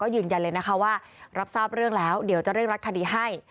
ยืนยันเลยนะคะว่ารับทราบเรื่องแล้วเดี๋ยวจะเร่งรัดคดีให้